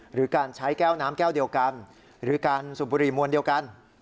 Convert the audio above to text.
หรือการใช้แก้วน้ำแก้วเดียวกันหรือการสูบบุหรี่มวลเดียวกัน